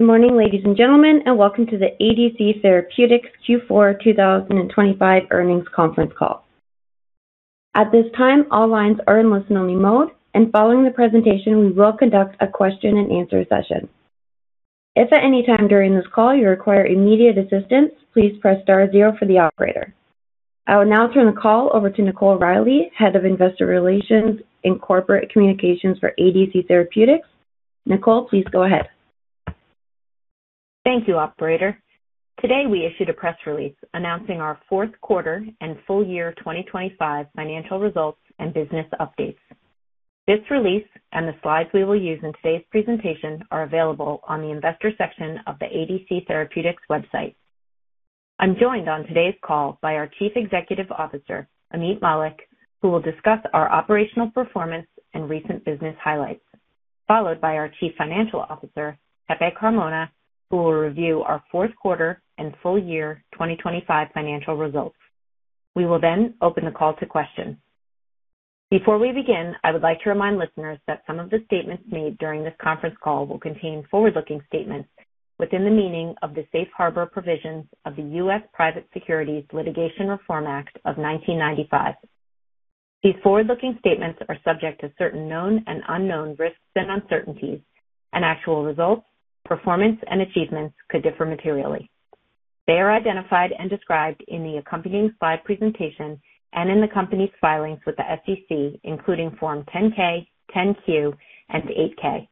Good morning, ladies and gentlemen, and welcome to the ADC Therapeutics Q4 2025 earnings conference call. At this time, all lines are in listen-only mode, and following the presentation, we will conduct a question and answer session. If at any time during this call you require immediate assistance, please press star zero for the operator. I will now turn the call over to Nicole Riley, Head of Investor Relations in Corporate Communications for ADC Therapeutics. Nicole, please go ahead. Thank you, operator. Today we issued a press release announcing our fourth quarter and full year 2025 financial results and business updates. This release and the slides we will use in today's presentation are available on the investor section of the ADC Therapeutics website. I'm joined on today's call by our Chief Executive Officer, Ameet Mallik, who will discuss our operational performance and recent business highlights, followed by our Chief Financial Officer, Jose Carmona, who will review our fourth quarter and full year 2025 financial results. We will then open the call to questions. Before we begin, I would like to remind listeners that some of the statements made during this conference call will contain forward-looking statements within the meaning of the safe harbor provisions of the U.S. Private Securities Litigation Reform Act of 1995. These forward-looking statements are subject to certain known and unknown risks and uncertainties, and actual results, performance and achievements could differ materially. They are identified and described in the accompanying slide presentation and in the company's filings with the SEC, including Form 10-K, 10-Q and 8-K.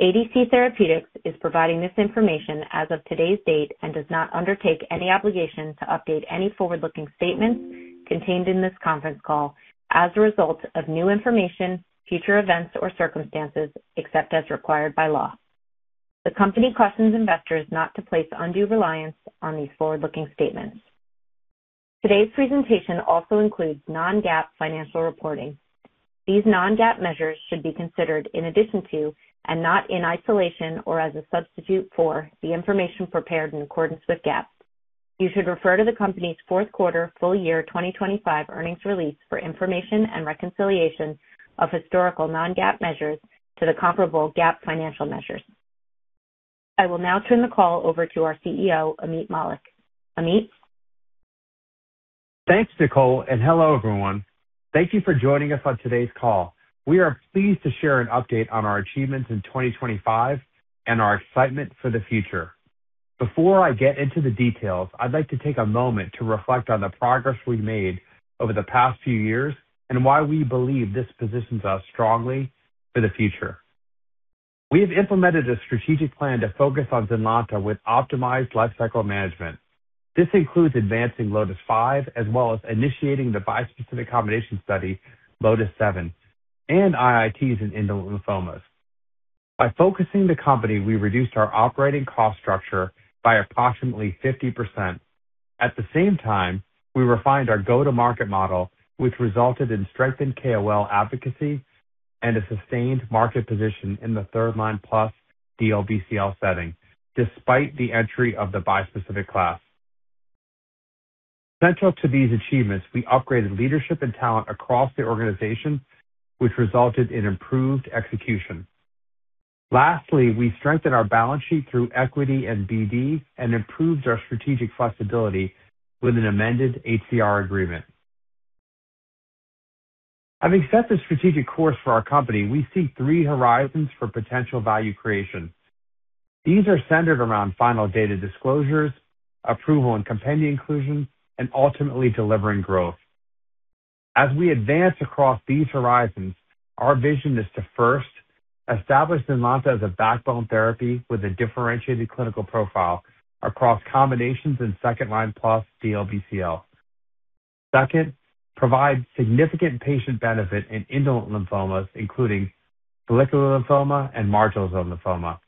ADC Therapeutics is providing this information as of today's date and does not undertake any obligation to update any forward-looking statements contained in this conference call as a result of new information, future events or circumstances, except as required by law. The company cautions investors not to place undue reliance on these forward-looking statements. Today's presentation also includes non-GAAP financial reporting. These non-GAAP measures should be considered in addition to and not in isolation or as a substitute for, the information prepared in accordance with GAAP. You should refer to the company's fourth quarter full year 2025 earnings release for information and reconciliation of historical non-GAAP measures to the comparable GAAP financial measures. I will now turn the call over to our CEO, Ameet Mallik. Ameet. Thanks, Nicole, and hello, everyone. Thank you for joining us on today's call. We are pleased to share an update on our achievements in 2025 and our excitement for the future. Before I get into the details, I'd like to take a moment to reflect on the progress we made over the past few years and why we believe this positions us strongly for the future. We have implemented a strategic plan to focus on ZYNLONTA with optimized lifecycle management. This includes advancing LOTIS-5 as well as initiating the bispecific combination study LOTIS-7 and IITs in indolent lymphomas. By focusing the company, we reduced our operating cost structure by approximately 50%. At the same time, we refined our go-to-market model, which resulted in strengthened KOL advocacy and a sustained market position in the third-line plus DLBCL setting despite the entry of the bispecific class. Central to these achievements, we upgraded leadership and talent across the organization, which resulted in improved execution. Lastly, we strengthened our balance sheet through equity and BD and improved our strategic flexibility with an amended HCR agreement. Having set the strategic course for our company, we see three horizons for potential value creation. These are centered around final data disclosures, approval and compendia inclusion, and ultimately delivering growth. As we advance across these horizons, our vision is to, first, establish ZYNLONTA as a backbone therapy with a differentiated clinical profile across combinations in second-line plus DLBCL. Second, provide significant patient benefit in indolent lymphomas, including follicular lymphoma and marginal zone lymphoma.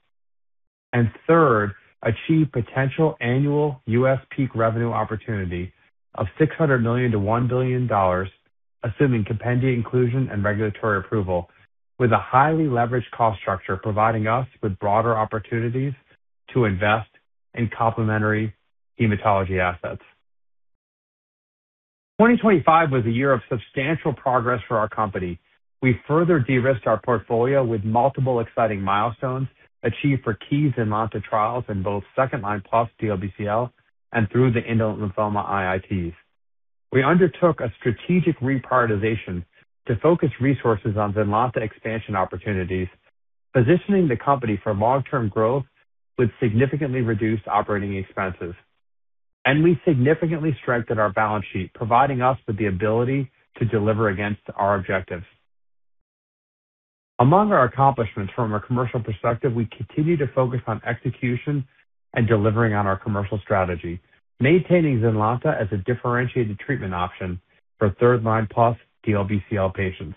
Third, achieve potential annual U.S. peak revenue opportunity of $600 million-$1 billion, assuming compendia inclusion and regulatory approval, with a highly leveraged cost structure, providing us with broader opportunities to invest in complementary hematology assets. 2025 was a year of substantial progress for our company. We further de-risked our portfolio with multiple exciting milestones achieved for key ZYNLONTA trials in both second-line plus DLBCL and through the indolent lymphoma IITs. We undertook a strategic reprioritization to focus resources on ZYNLONTA expansion opportunities, positioning the company for long-term growth with significantly reduced operating expenses. We significantly strengthened our balance sheet, providing us with the ability to deliver against our objectives. Among our accomplishments from a commercial perspective, we continue to focus on execution and delivering on our commercial strategy, maintaining ZYNLONTA as a differentiated treatment option for third-line plus DLBCL patients.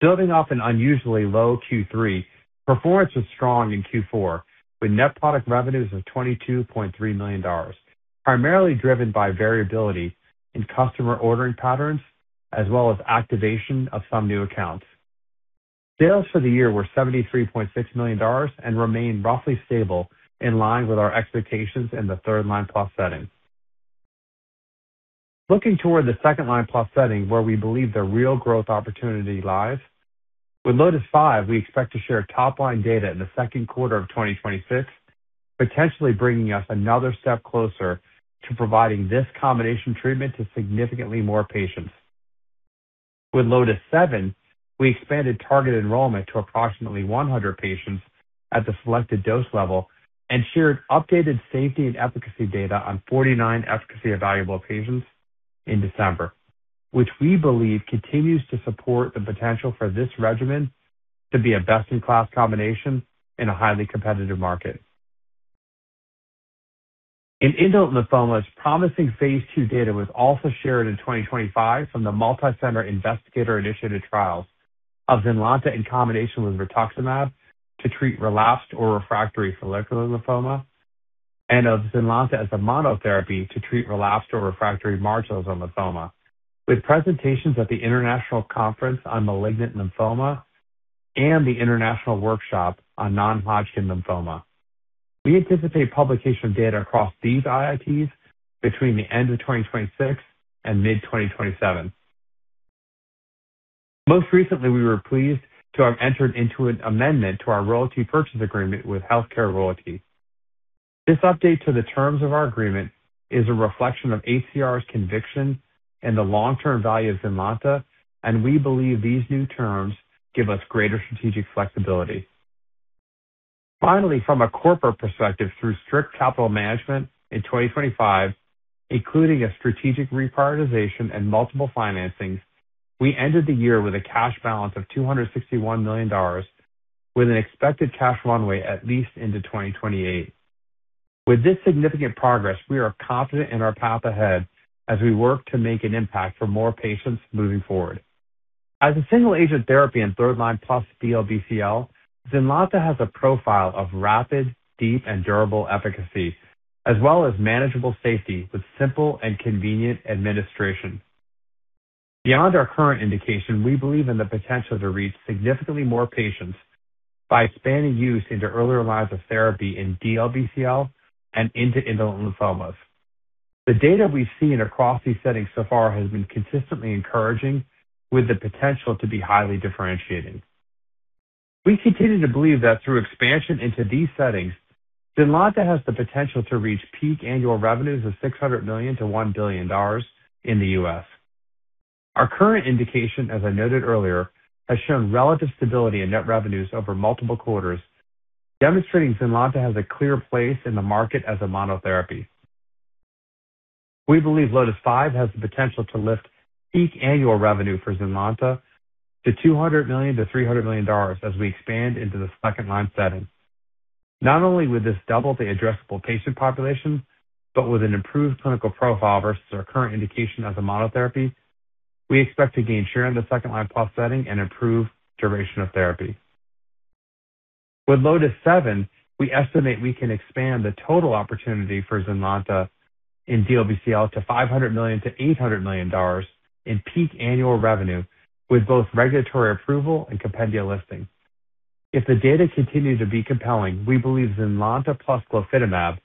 Building off an unusually low Q3, performance was strong in Q4, with net product revenues of $22.3 million, primarily driven by variability in customer ordering patterns as well as activation of some new accounts. Sales for the year were $73.6 million and remained roughly stable in line with our expectations in the third-line plus setting. Looking toward the second-line plus setting where we believe the real growth opportunity lies, with LOTIS-5, we expect to share top-line data in the second quarter of 2026, potentially bringing us another step closer to providing this combination treatment to significantly more patients. With LOTIS-7, we expanded target enrollment to approximately 100 patients at the selected dose level and shared updated safety and efficacy data on 49 efficacy-evaluable patients in December, which we believe continues to support the potential for this regimen to be a best-in-class combination in a highly competitive market. In indolent lymphomas, promising phase II data was also shared in 2025 from the multicenter investigator-initiated trials of ZYNLONTA in combination with rituximab to treat relapsed or refractory follicular lymphoma and of ZYNLONTA as a monotherapy to treat relapsed or refractory marginal lymphoma. With presentations at the International Conference on Malignant Lymphoma and the International Workshop on Non-Hodgkin Lymphoma, we anticipate publication of data across these IITs between the end of 2026 and mid 2027. Most recently, we were pleased to have entered into an amendment to our royalty purchase agreement with HealthCare Royalty. This update to the terms of our agreement is a reflection of ADC's conviction and the long-term value of ZYNLONTA, and we believe these new terms give us greater strategic flexibility. Finally, from a corporate perspective, through strict capital management in 2025, including a strategic reprioritization and multiple financings, we ended the year with a cash balance of $261 million, with an expected cash runway at least into 2028. With this significant progress, we are confident in our path ahead as we work to make an impact for more patients moving forward. As a single-agent therapy in third line plus DLBCL, ZYNLONTA has a profile of rapid, deep, and durable efficacy as well as manageable safety with simple and convenient administration. Beyond our current indication, we believe in the potential to reach significantly more patients by expanding use into earlier lines of therapy in DLBCL and into indolent lymphomas. The data we've seen across these settings so far has been consistently encouraging with the potential to be highly differentiating. We continue to believe that through expansion into these settings, ZYNLONTA has the potential to reach peak annual revenues of $600 million-$1 billion in the US. Our current indication, as I noted earlier, has shown relative stability in net revenues over multiple quarters, demonstrating ZYNLONTA has a clear place in the market as a monotherapy. We believe LOTIS-5 has the potential to lift peak annual revenue for ZYNLONTA to $200 million-$300 million as we expand into the second-line setting. Not only would this double the addressable patient population, but with an improved clinical profile versus our current indication as a monotherapy, we expect to gain share in the second-line plus setting and improve duration of therapy. With LOTIS-7, we estimate we can expand the total opportunity for ZYNLONTA in DLBCL to $500 million-$800 million in peak annual revenue with both regulatory approval and compendia listing. If the data continue to be compelling, we believe ZYNLONTA plus glofitamab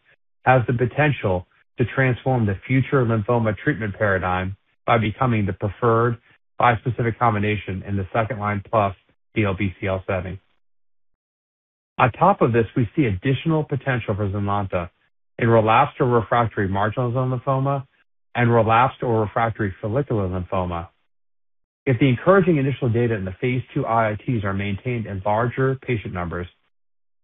has the potential to transform the future lymphoma treatment paradigm by becoming the preferred bispecific combination in the second-line plus DLBCL setting. On top of this, we see additional potential for ZYNLONTA in relapsed or refractory marginal zone lymphoma and relapsed or refractory follicular lymphoma. If the encouraging initial data in the phase II IITs are maintained in larger patient numbers,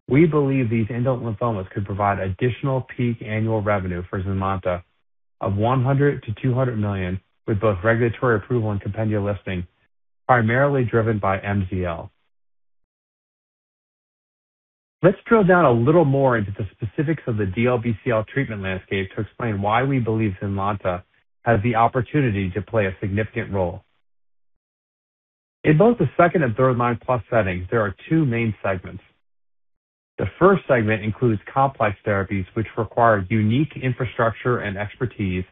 we believe these indolent lymphomas could provide additional peak annual revenue for ZYNLONTA of $100 million-$200 million with both regulatory approval and compendia listing, primarily driven by MZL. Let's drill down a little more into the specifics of the DLBCL treatment landscape to explain why we believe ZYNLONTA has the opportunity to play a significant role. In both the second- and third-line plus settings, there are two main segments. The first segment includes complex therapies which require unique infrastructure and expertise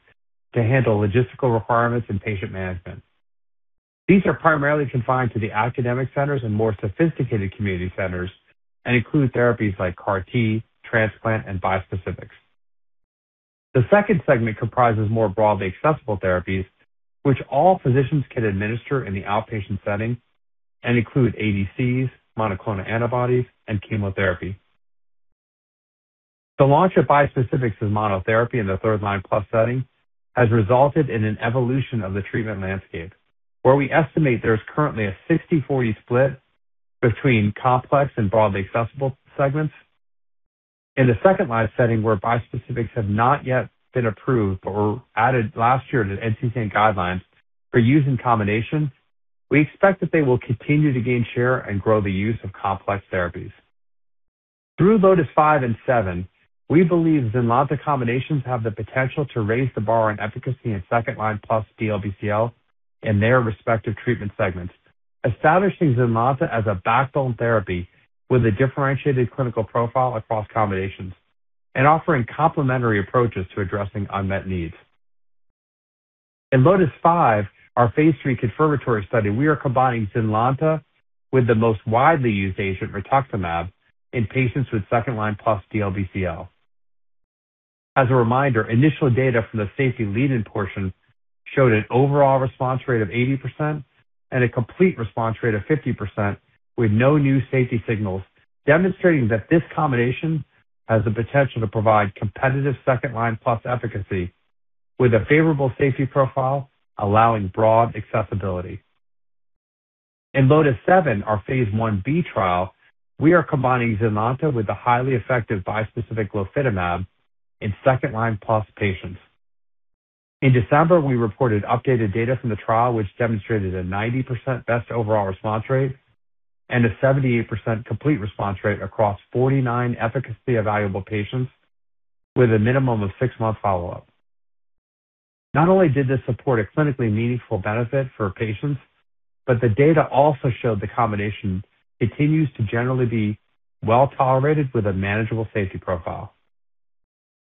to handle logistical requirements and patient management. These are primarily confined to the academic centers and more sophisticated community centers and include therapies like CAR-T, transplant, and bispecifics. The second segment comprises more broadly accessible therapies which all physicians can administer in the outpatient setting and include ADCs, monoclonal antibodies, and chemotherapy. The launch of bispecifics as monotherapy in the third line plus setting has resulted in an evolution of the treatment landscape, where we estimate there is currently a 60/40 split between complex and broadly accessible segments. In the second-line setting, where bispecifics have not yet been approved but were added last year to NCCN guidelines for use in combination, we expect that they will continue to gain share and grow the use of complex therapies. Through LOTIS-5 and LOTIS-7, we believe ZYNLONTA combinations have the potential to raise the bar on efficacy in second line plus DLBCL in their respective treatment segments, establishing ZYNLONTA as a backbone therapy with a differentiated clinical profile across combinations and offering complementary approaches to addressing unmet needs. In LOTIS-5, our Phase III confirmatory study, we are combining ZYNLONTA with the most widely used agent rituximab in patients with second-line plus DLBCL. As a reminder, initial data from the safety lead-in portion showed an overall response rate of 80% and a complete response rate of 50% with no new safety signals, demonstrating that this combination has the potential to provide competitive second-line plus efficacy with a favorable safety profile, allowing broad accessibility. In LOTIS-7, our Phase Ib trial, we are combining ZYNLONTA with the highly effective bispecific glofitamab in second-line plus patients. In December, we reported updated data from the trial, which demonstrated a 90% best overall response rate and a 78% complete response rate across 49 efficacy evaluable patients with a minimum of six-month follow-up. Not only did this support a clinically meaningful benefit for patients, but the data also showed the combination continues to generally be well tolerated with a manageable safety profile.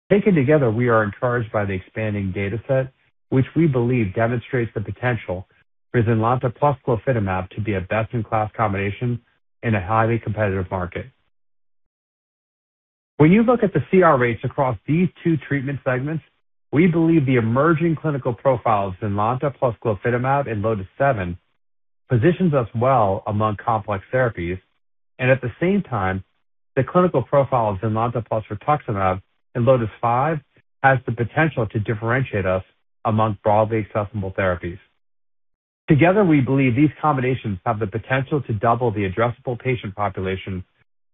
Taken together, we are encouraged by the expanding data set, which we believe demonstrates the potential for ZYNLONTA plus glofitamab to be a best-in-class combination in a highly competitive market. When you look at the CR rates across these two treatment segments, we believe the emerging clinical profile of ZYNLONTA plus glofitamab in LOTIS-7 positions us well among complex therapies. At the same time, the clinical profile of ZYNLONTA plus Rituximab in LOTIS-5 has the potential to differentiate us among broadly accessible therapies. Together, we believe these combinations have the potential to double the addressable patient population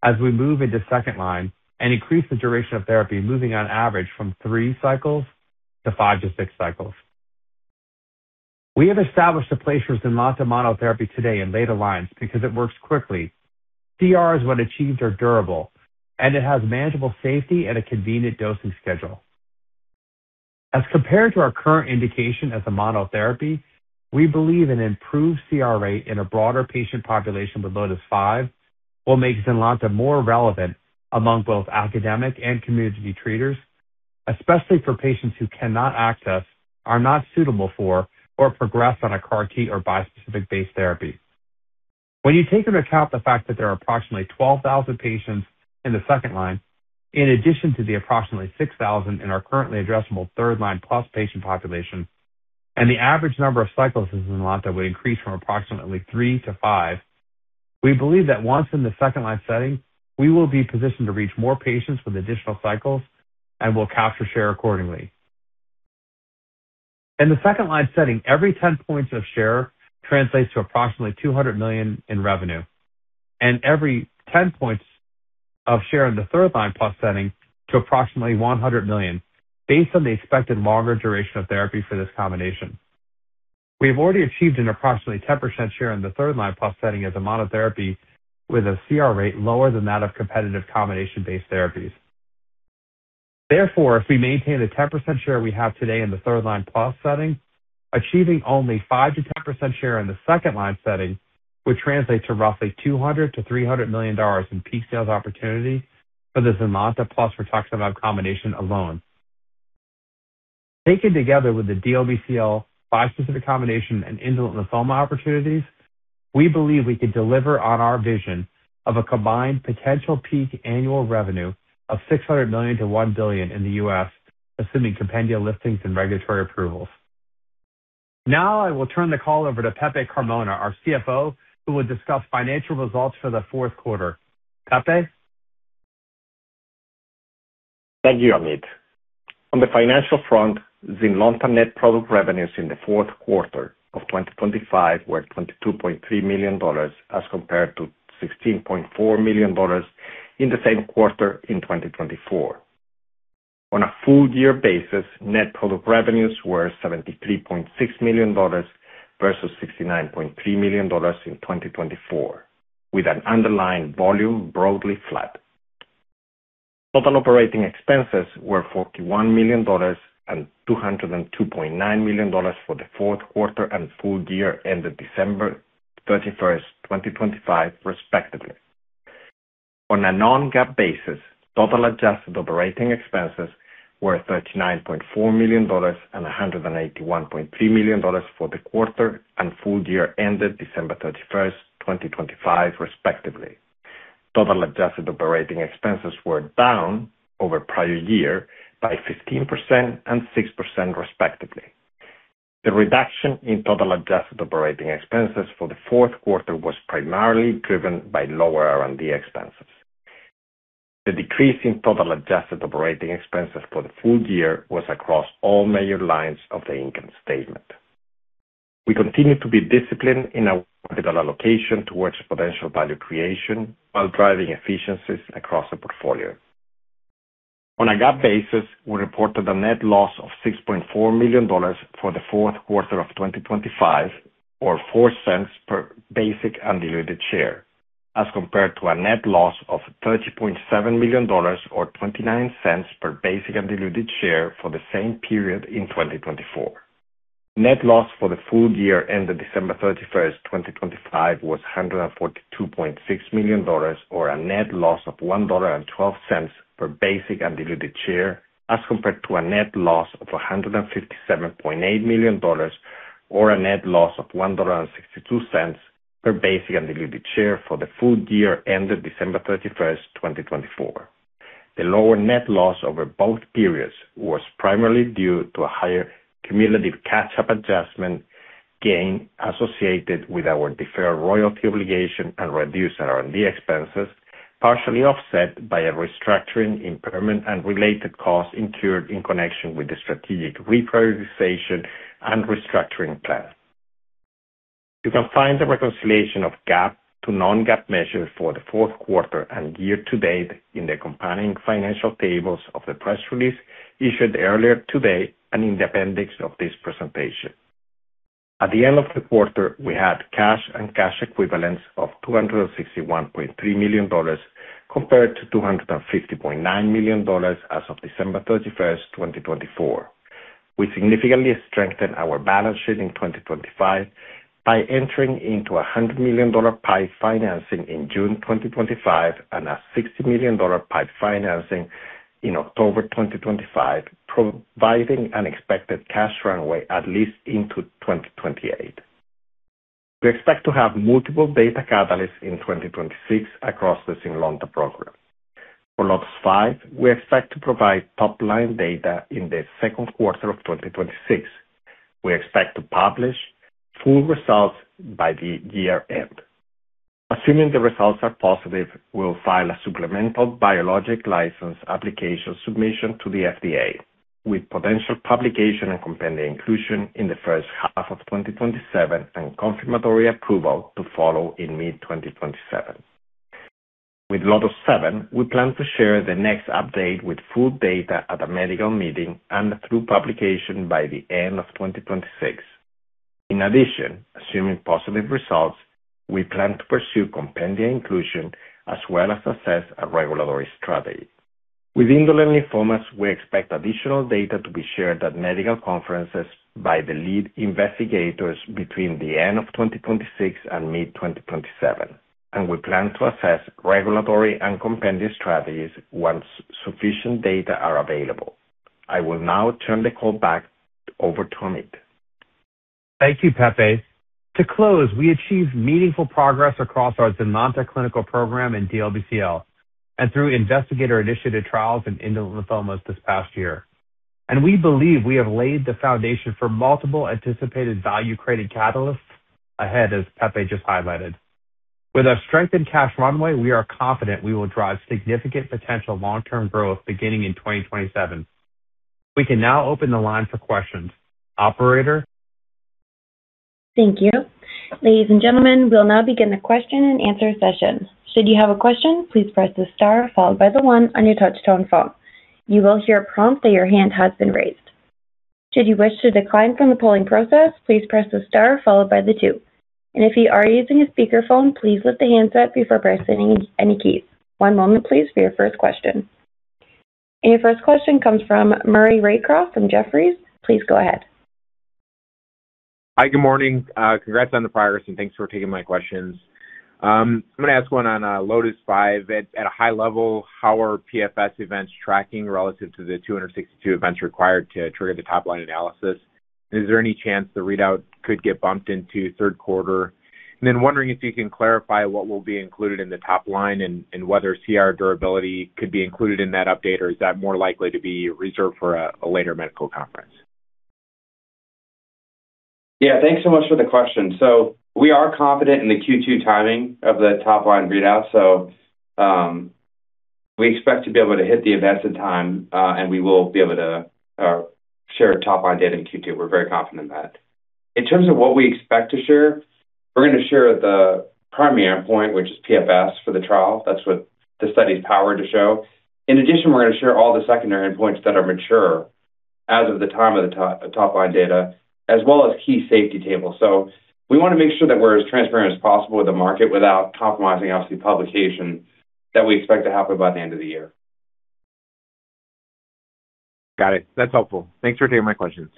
as we move into second line and increase the duration of therapy, moving on average from three cycles to five to six cycles. We have established a place for ZYNLONTA monotherapy today in later lines because it works quickly. CRs, when achieved, are durable, and it has manageable safety and a convenient dosing schedule. As compared to our current indication as a monotherapy, we believe an improved CR rate in a broader patient population with LOTIS-5 will make ZYNLONTA more relevant among both academic and community treaters, especially for patients who cannot access, are not suitable for, or progress on a CAR-T or bispecific-based therapy. When you take into account the fact that there are approximately 12,000 patients in the second line, in addition to the approximately 6,000 in our currently addressable third line plus patient population, and the average number of cycles in ZYNLONTA would increase from approximately three to five. We believe that once in the second line setting, we will be positioned to reach more patients with additional cycles and will capture share accordingly. In the second line setting, every 10 points of share translates to approximately $200 million in revenue, and every 10 points of share in the third line plus setting to approximately $100 million based on the expected longer duration of therapy for this combination. We have already achieved an approximately 10% share in the third line plus setting as a monotherapy with a CR rate lower than that of competitive combination-based therapies. Therefore, if we maintain the 10% share we have today in the third line plus setting, achieving only 5%-10% share in the second line setting would translate to roughly $200 million-$300 million in peak sales opportunity for the ZYNLONTA plus Rituximab combination alone. Taken together with the DLBCL bispecific combination and indolent lymphoma opportunities, we believe we could deliver on our vision of a combined potential peak annual revenue of $600 million-$1 billion in the US, assuming compendia listings and regulatory approvals. Now, I will turn the call over to Jose Carmona, our CFO, who will discuss financial results for the fourth quarter. Jose. Thank you, Ameet. On the financial front, ZYNLONTA net product revenues in the fourth quarter of 2025 were $22.3 million as compared to $16.4 million in the same quarter in 2024. On a full year basis, net product revenues were $73.6 million versus $69.3 million in 2024, with an underlying volume broadly flat. Total operating expenses were $41 million and $202.9 million for the fourth quarter and full year ended December 31, 2025, respectively. On a non-GAAP basis, total adjusted operating expenses were $39.4 million and $181.3 million for the quarter and full year ended December 31, 2025, respectively. Total adjusted operating expenses were down over prior year by 15% and 6%, respectively. The reduction in total adjusted operating expenses for the fourth quarter was primarily driven by lower R&D expenses. The decrease in total adjusted operating expenses for the full year was across all major lines of the income statement. We continue to be disciplined in our capital allocation towards potential value creation while driving efficiencies across the portfolio. On a GAAP basis, we reported a net loss of $6.4 million for the fourth quarter of 2025 or $0.04 per basic and diluted share, as compared to a net loss of $30.7 million or $0.29 per basic and diluted share for the same period in 2024. Net loss for the full year ended December 31, 2025, was $142.6 million or a net loss of $1.12 per basic and diluted share, as compared to a net loss of $157.8 million or a net loss of $1.62 per basic and diluted share for the full year ended December 31, 2024. The lower net loss over both periods was primarily due to a higher cumulative catch-up adjustment gain associated with our deferred royalty obligation and reduced R&D expenses, partially offset by a restructuring impairment and related costs incurred in connection with the strategic reprioritization and restructuring plan. You can find the reconciliation of GAAP to non-GAAP measures for the fourth quarter and year to date in the accompanying financial tables of the press release issued earlier today, and in the appendix of this presentation. At the end of the quarter, we had cash and cash equivalents of $261.3 million compared to $250.9 million as of December 31, 2024. We significantly strengthened our balance sheet in 2025 by entering into a $100 million PIPE financing in June 2025 and a $60 million PIPE financing in October 2025, providing an expected cash runway at least into 2028. We expect to have multiple data catalysts in 2026 across the ZYNLONTA program. For LOTIS-5, we expect to provide top-line data in the second quarter of 2026. We expect to publish full results by the year end. Assuming the results are positive, we'll file a supplemental Biologics License Application submission to the FDA with potential publication and compendia inclusion in the first half of 2027 and confirmatory approval to follow in mid-2027. With LOTIS-7, we plan to share the next update with full data at a medical meeting and through publication by the end of 2026. In addition, assuming positive results, we plan to pursue compendia inclusion as well as assess a regulatory strategy. With indolent lymphomas, we expect additional data to be shared at medical conferences by the lead investigators between the end of 2026 and mid-2027, and we plan to assess regulatory and compendia strategies once sufficient data are available. I will now turn the call back over to Ameet Mallik. Thank you, Pepe. To close, we achieved meaningful progress across our ZYNLONTA clinical program in DLBCL and through investigator-initiated trials in indolent lymphomas this past year. We believe we have laid the foundation for multiple anticipated value-creating catalysts ahead, as Pepe just highlighted. With our strengthened cash runway, we are confident we will drive significant potential long-term growth beginning in 2027. We can now open the line for questions. Operator? Thank you. Ladies and gentlemen, we'll now begin the question and answer session. Should you have a question, please press the star followed by the one on your touch tone phone. You will hear a prompt that your hand has been raised. Should you wish to decline from the polling process, please press the star followed by the two. If you are using a speakerphone, please lift the handset before pressing any keys. One moment, please, for your first question. Your first question comes from Maury Raycroft from Jefferies. Please go ahead. Hi. Good morning. Congrats on the progress and thanks for taking my questions. I'm going to ask one on LOTIS-5. At a high level, how are PFS events tracking relative to the 262 events required to trigger the top-line analysis? Is there any chance the readout could get bumped into third quarter? Wondering if you can clarify what will be included in the top-line and whether CR durability could be included in that update, or is that more likely to be reserved for a later medical conference? Yeah. Thanks so much for the question. We are confident in the Q2 timing of the top-line readout. We expect to be able to hit the events in time, and we will be able to share top-line data in Q2. We're very confident in that. In terms of what we expect to share, we're going to share the primary endpoint, which is PFS for the trial. That's what the study is powered to show. In addition, we're going to share all the secondary endpoints that are mature as of the time of the top-line data, as well as key safety tables. We want to make sure that we're as transparent as possible with the market without compromising, obviously, publication that we expect to happen by the end of the year. Got it. That's helpful. Thanks for taking my questions.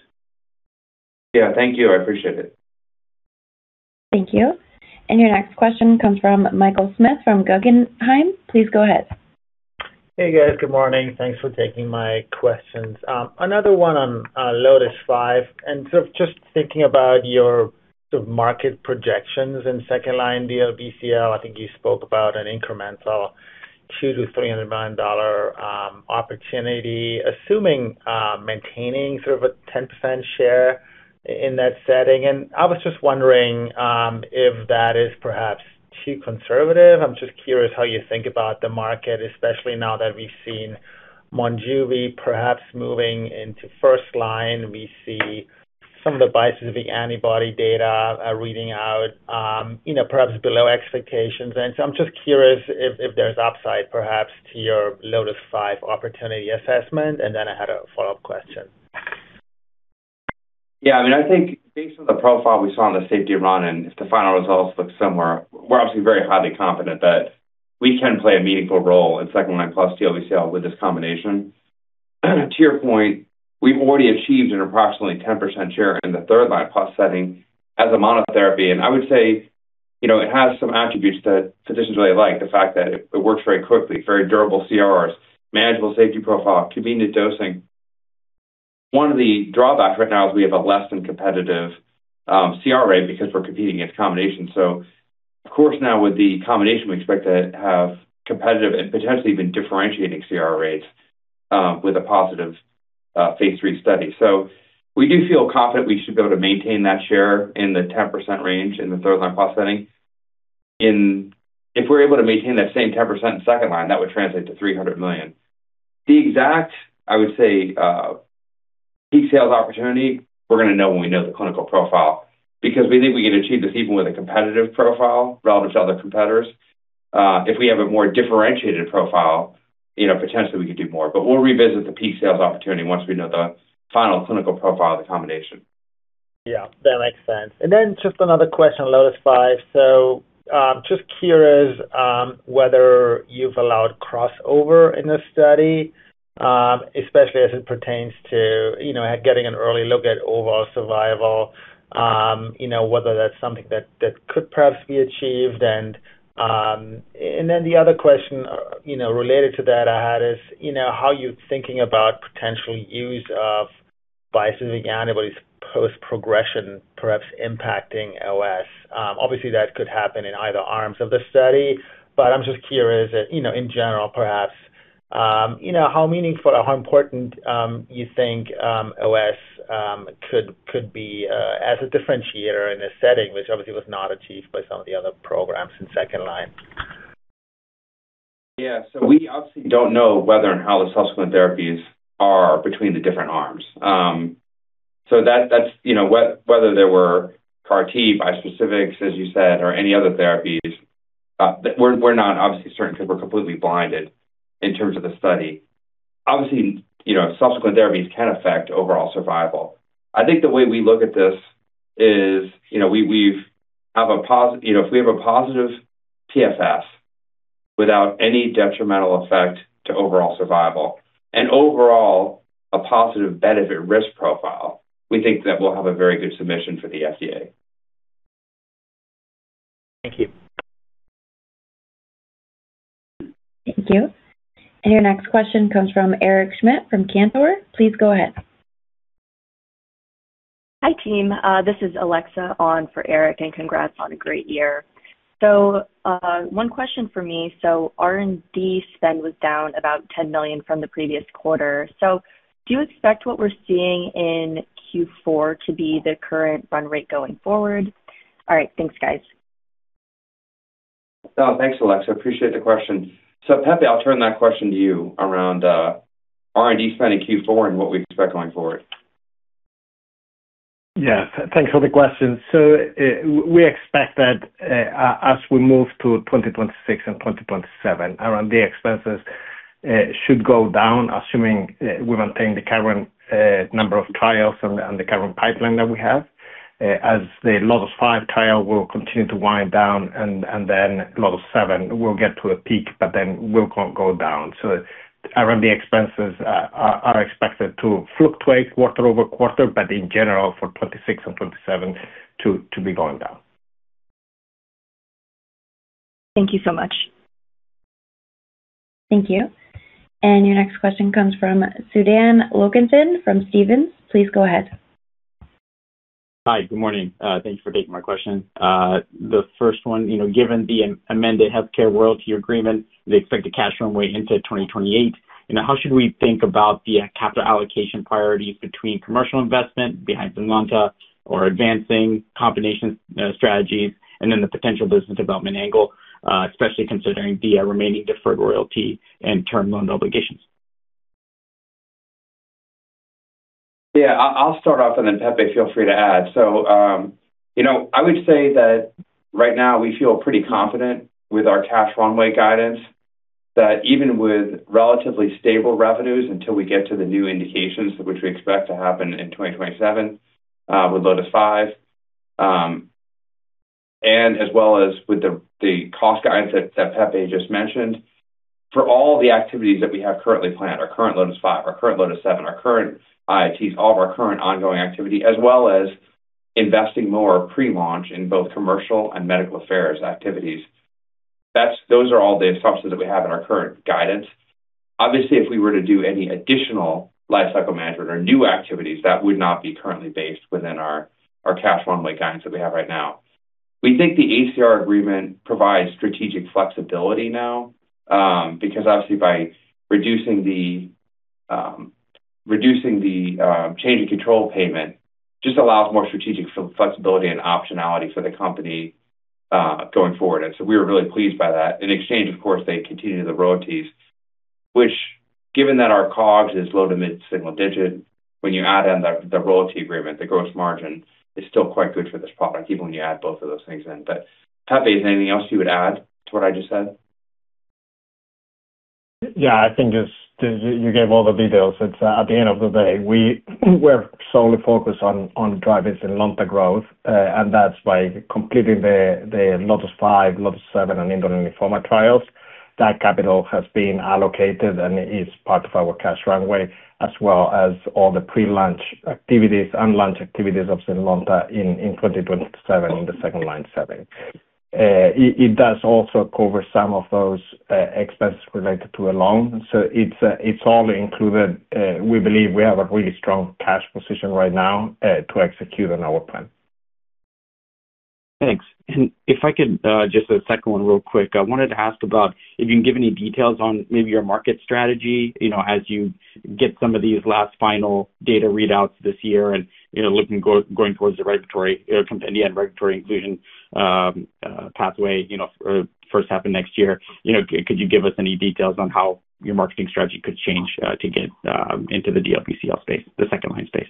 Yeah, thank you. I appreciate it. Thank you. Your next question comes from Michael Schmidt from Guggenheim. Please go ahead. Hey, guys. Good morning. Thanks for taking my questions. Another one on LOTIS-5, and sort of just thinking about your sort of market projections in second-line DLBCL, I think you spoke about an incremental $200-$300 million opportunity, assuming maintaining sort of a 10% share in that setting. I was just wondering if that is perhaps too conservative. I'm just curious how you think about the market, especially now that we've seen Monjuvi perhaps moving into first line. We see some of the bispecific antibody data reading out, you know, perhaps below expectations. I'm just curious if there's upside perhaps to your LOTIS-5 opportunity assessment. Then I had a follow-up question. Yeah. I mean, I think based on the profile we saw on the safety run-in, if the final results look similar, we're obviously very highly confident that we can play a meaningful role in second-line plus DLBCL with this combination. To your point, we've already achieved an approximately 10% share in the third-line plus setting as a monotherapy. I would say, you know, it has some attributes that physicians really like. The fact that it works very quickly, very durable CRRs, manageable safety profile, convenient dosing. One of the drawbacks right now is we have a less than competitive CR rate because we're competing against combination. Of course, now with the combination, we expect to have competitive and potentially even differentiating CR rates with a positive phase III study. We do feel confident we should be able to maintain that share in the 10% range in the third line plus setting. If we're able to maintain that same 10% second line, that would translate to $300 million. The exact, I would say, peak sales opportunity, we're going to know when we know the clinical profile, because we think we can achieve this even with a competitive profile relative to other competitors. If we have a more differentiated profile, you know, potentially we could do more. But we'll revisit the peak sales opportunity once we know the final clinical profile of the combination. Yeah, that makes sense. Just another question on LOTIS-5. Just curious whether you've allowed crossover in this study, especially as it pertains to, you know, getting an early look at overall survival, you know, whether that's something that could perhaps be achieved. The other question, you know, related to that I had is, you know, how you're thinking about potential use of bispecific antibodies post-progression, perhaps impacting OS. Obviously, that could happen in either arms of the study. I'm just curious, you know, in general, perhaps, you know, how meaningful or how important, you think, OS could be, as a differentiator in this setting, which obviously was not achieved by some of the other programs in second line. Yeah. We obviously don't know whether and how the subsequent therapies are between the different arms. That's, you know, whether there were CAR-T, bispecifics, as you said, or any other therapies. We're not obviously certain because we're completely blinded in terms of the study. Obviously, you know, subsequent therapies can affect overall survival. I think the way we look at this is, you know, we've have, you know, if we have a positive PFS without any detrimental effect to overall survival and overall a positive benefit risk profile, we think that we'll have a very good submission for the FDA. Thank you. Thank you. Your next question comes from Eric Schmidt from Cantor. Please go ahead. Hi, team. This is Alexa on for Eric, and congrats on a great year. One question for me. R&D spend was down about $10 million from the previous quarter. Do you expect what we're seeing in Q4 to be the current run rate going forward? All right. Thanks, guys. Thanks, Alexa. Appreciate the question. Jose Carmona, I'll turn that question to you around R&D spend in Q4 and what we expect going forward. Yeah. Thanks for the question. We expect that, as we move to 2026 and 2027, the expenses should go down, assuming we maintain the current number of trials and the current pipeline that we have. As the LOTIS-5 trial will continue to wind down and then LOTIS-7 will get to a peak but then will go down. R&D expenses are expected to fluctuate quarter-over-quarter, but in general for 2026 and 2027 to be going down. Thank you so much. Thank you. Your next question comes from Sudan Loganathan from Stephens. Please go ahead. Hi. Good morning. Thanks for taking my question. The first one, you know, given the amended HealthCare Royalty agreement, they expect the cash runway into 2028. You know, how should we think about the capital allocation priorities between commercial investment behind ZYNLONTA or advancing combination strategies and then the potential business development angle, especially considering the remaining deferred royalty and term loan obligations? Yeah. I'll start off and then Jose, feel free to add. You know, I would say that right now we feel pretty confident with our cash runway guidance, that even with relatively stable revenues until we get to the new indications, which we expect to happen in 2027, with LOTIS-5, and as well as with the cost guidance that Jose just mentioned. For all the activities that we have currently planned, our current LOTIS-5, our current LOTIS-7, our current IITs, all of our current ongoing activity, as well as investing more pre-launch in both commercial and medical affairs activities. Those are all the assumptions that we have in our current guidance. Obviously, if we were to do any additional lifecycle management or new activities, that would not be currently based within our cash runway guidance that we have right now. We think the HCR agreement provides strategic flexibility now, because obviously, by reducing the change in control payment just allows more strategic flexibility and optionality for the company, going forward. We were really pleased by that. In exchange, of course, they continue the royalties, which given that our COGS is low- to mid-single-digit, when you add in the royalty agreement, the gross margin is still quite good for this product, even when you add both of those things in. Pepe, is there anything else you would add to what I just said? Yeah, I think you just gave all the details. It's at the end of the day, we're solely focused on driving ZYNLONTA growth, and that's why completing the LOTIS-5, LOTIS-7 and indolent lymphoma trials, that capital has been allocated and is part of our cash runway, as well as all the pre-launch activities and launch activities of ZYNLONTA in 2027 in the second-line setting. It does also cover some of those expenses related to a loan. It's all included. We believe we have a really strong cash position right now to execute on our plan. Thanks. If I could just a second one real quick. I wanted to ask about if you can give any details on maybe your market strategy, you know, as you get some of these last final data readouts this year and, you know, looking going towards the regulatory compendium, regulatory inclusion pathway, you know, or first half of next year. You know, could you give us any details on how your marketing strategy could change to get into the DLBCL space, the second-line space?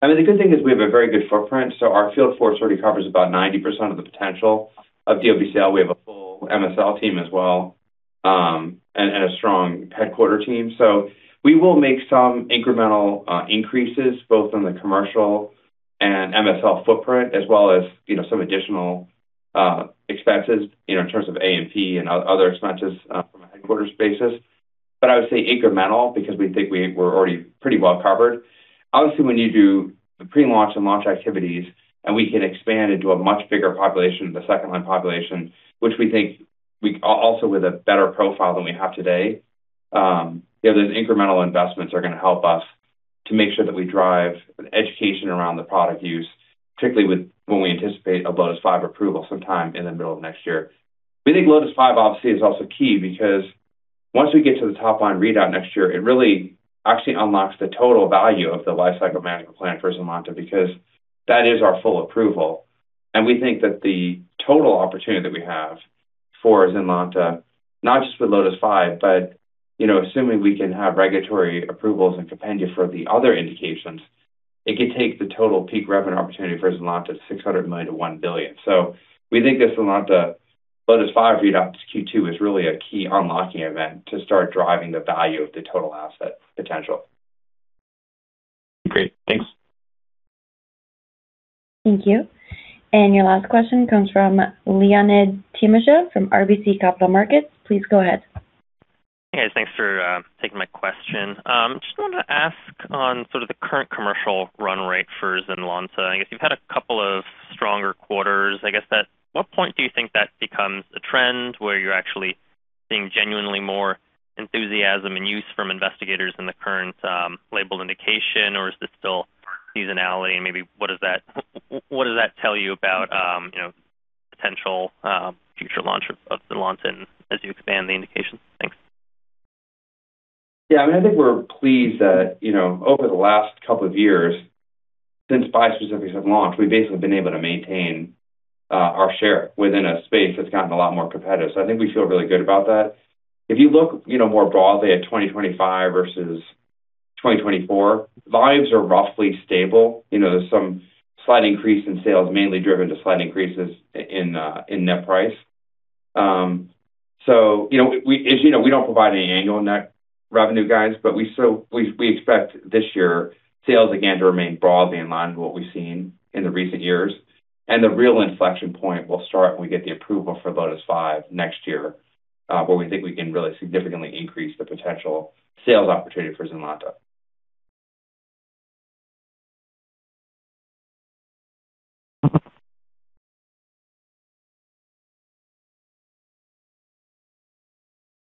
Thanks. I mean, the good thing is we have a very good footprint, so our field force already covers about 90% of the potential of DLBCL. We have a full MSL team as well, and a strong headquarters team. We will make some incremental increases both on the commercial and MSL footprint as well as, you know, some additional expenses, you know, in terms of A&P and other expenses, from a headquarters basis. I would say incremental because we think we're already pretty well-covered. Obviously, when you do the pre-launch and launch activities and we can expand into a much bigger population, the second-line population, which we think also with a better profile than we have today, you know, those incremental investments are gonna help us to make sure that we drive education around the product use, particularly when we anticipate a LOTIS-5 approval sometime in the middle of next year. We think LOTIS-5 obviously is also key because once we get to the top line readout next year, it really actually unlocks the total value of the lifecycle management plan for ZYNLONTA because that is our full approval. We think that the total opportunity that we have for ZYNLONTA, not just with LOTIS-5, but, you know, assuming we can have regulatory approvals and compendia for the other indications, it could take the total peak revenue opportunity for ZYNLONTA to $600 million-$1 billion. We think this ZYNLONTA LOTIS-5 readout this Q2 is really a key unlocking event to start driving the value of the total asset potential. Great. Thanks. Thank you. Your last question comes from Leonid Timashev from RBC Capital Markets. Please go ahead. Yes, thanks for taking my question. Just want to ask on sort of the current commercial run rate for ZYNLONTA. I guess you've had a couple of stronger quarters. I guess at what point do you think that becomes a trend where you're actually seeing genuinely more enthusiasm and use from investigators in the current label indication, or is this still seasonality? Maybe what does that tell you about, you know, potential future launch of ZYNLONTA as you expand the indications? Thanks. Yeah, I mean, I think we're pleased that, you know, over the last couple of years since bispecifics have launched, we've basically been able to maintain our share within a space that's gotten a lot more competitive. I think we feel really good about that. If you look, you know, more broadly at 2025 versus 2024, volumes are roughly stable. You know, there's some slight increase in sales, mainly driven to slight increases in net price. As you know, we don't provide any annual net revenue guides, but we expect this year sales again to remain broadly in line with what we've seen in the recent years. The real inflection point will start when we get the approval for LOTIS-5 next year, where we think we can really significantly increase the potential sales opportunity for ZYNLONTA.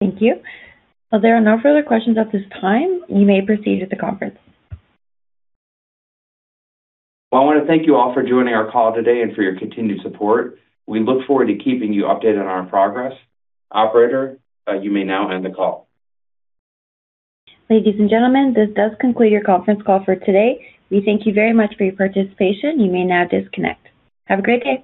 Thank you. There are no further questions at this time. You may proceed with the conference. Well, I wanna thank you all for joining our call today and for your continued support. We look forward to keeping you updated on our progress. Operator, you may now end the call. Ladies and gentlemen, this does conclude your conference call for today. We thank you very much for your participation. You may now disconnect. Have a great day.